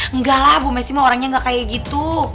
enggak lah bu messi mah orangnya gak kayak gitu